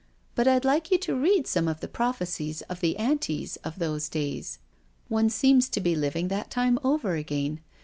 But I'd like you to read some of the prophecies of the Anti*s of those days. One seems to be living that time over again.